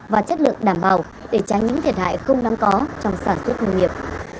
và chất lượng đảm bảo để tránh những thiệt hại không đáng có trong sản xuất nông nghiệp